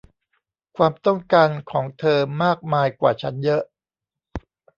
ความต้องการของเธอมากมายกว่าฉันเยอะ